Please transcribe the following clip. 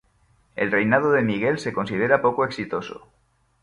El reinado de Miguel se considera poco exitoso.